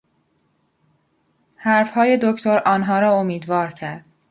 حرفهای دکتر آنها را امیدوار کرد.